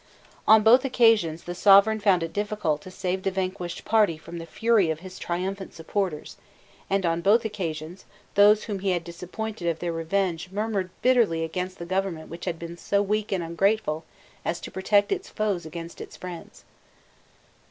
On both occasions the Sovereign found it difficult to save the vanquished party from the fury of his triumphant supporters; and on both occasions those whom he had disappointed of their revenge murmured bitterly against the government which had been so weak and ungrateful as to protect its foes against its friends.